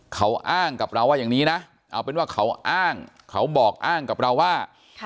เขาอ้างกับเราว่าอย่างนี้นะเอาเป็นว่าเขาอ้างเขาบอกอ้างกับเราว่า